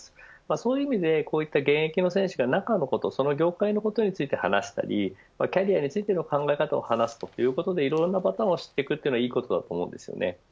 そういう意味でこういった現役選手が中のことその業界のことについて話したりキャリアついての考え方を話すということでいろいろなパターンを知っていくのはいいことだと思います。